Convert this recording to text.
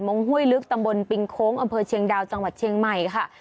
งห้วยลึกตำบลปิงโค้งอำเภอเชียงดาวจังหวัดเชียงใหม่ค่ะ